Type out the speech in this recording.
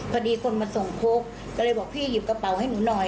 พอดีคนมาส่งพกก็เลยบอกพี่หยิบกระเป๋าให้หนูหน่อย